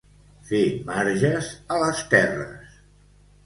Fer marges a les terres.